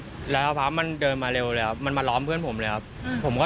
เพราะว่ามันเดินมาเร็วแล้วมันมาล้อมเพื่อนผมแล้วผมก็